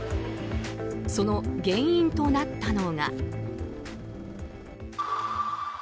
その原因となったのが。